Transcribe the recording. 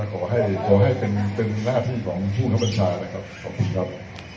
ขอให้ขอให้เป็นหน้าที่ของผู้บังคับบัญชานะครับขอบคุณครับ